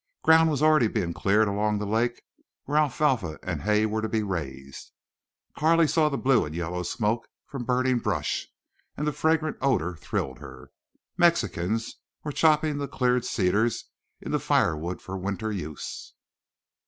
Ground was already being cleared along the lake where alfalfa and hay were to be raised. Carley saw the blue and yellow smoke from burning brush, and the fragrant odor thrilled her. Mexicans were chopping the cleared cedars into firewood for winter use.